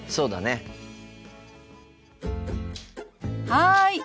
はい。